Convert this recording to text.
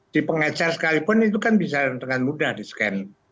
di pengecer sekalipun itu kan bisa dengan mudah di scan